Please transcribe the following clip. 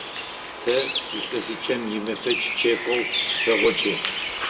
Тэ илъэсыкӏэм имэфэкӏ чэфэу тыпэгъокӏы.